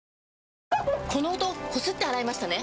この音こすって洗いましたね？